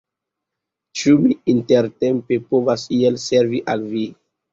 Ĉu mi intertempe povas iel servi al vi?